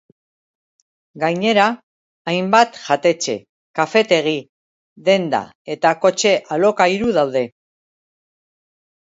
Gainera hainbat jatetxe, kafetegi, denda, eta kotxe-alokairu daude.